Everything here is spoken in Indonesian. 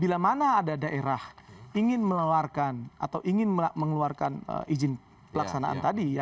bila mana ada daerah ingin melawarkan atau ingin mengeluarkan izin pelaksanaan tadi